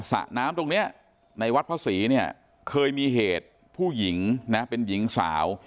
สระน้ำตรงนี้ในวัดพระศรีเนี่ยเคยมีเหตุผู้หญิงนะเป็นหญิงสาว